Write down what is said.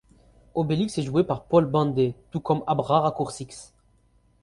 Obélix est joué par Paul Bandey, tout comme pour Abraracourcix.